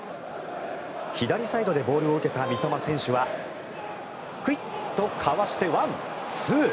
左サイドでボールを受けた三笘選手はくいっとかわしてワンツー！